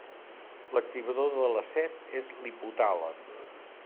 L'activador de la set és l'hipotàlem.